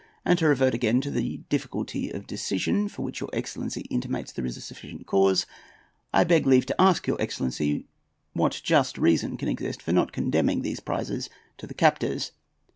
And to revert again to the difficulty of decision, for which your excellency intimates there is sufficient cause, I beg leave to ask your excellency what just reason can exist for not condemning these prizes to the captors.